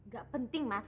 gak penting mas